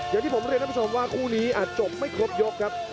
อย่างที่ผมเรียนท่านผู้ชมว่าคู่นี้อาจจบไม่ครบยกครับ